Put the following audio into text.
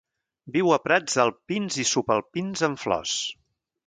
Viu a prats alpins i subalpins amb flors.